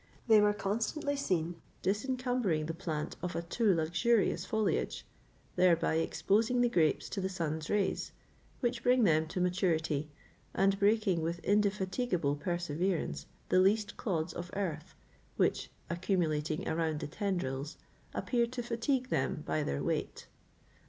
They were constantly seen disincumbering the plant of a too luxurious foliage, thereby exposing the grapes to the sun's rays, which bring them to maturity, and breaking with indefatigable perseverance the least clods of earth which, accumulating around the tendrils, appeared to fatigue them by their weight.